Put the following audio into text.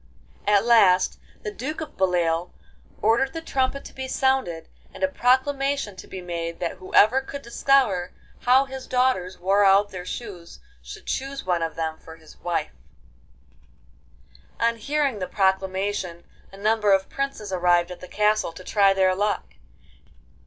At last the Duke of Beloeil ordered the trumpet to be sounded, and a proclamation to be made that whoever could discover how his daughters wore out their shoes should choose one of them for his wife. On hearing the proclamation a number of princes arrived at the castle to try their luck.